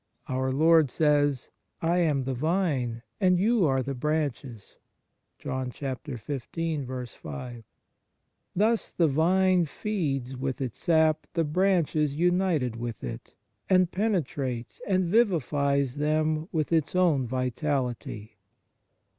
Our Lord said: " I am the Vine, and you are the branches." 3 Thus the Vine feeds with its sap the branches united with it, and penetrates and vivifies them with its own vitality.